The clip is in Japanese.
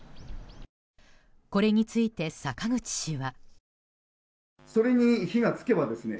これについて、坂口氏は。